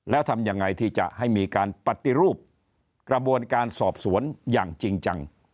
แล้วทำยังไงที่จะให้มีการปฏิรูปกระบวนการสอบสวนอย่างจริงจัง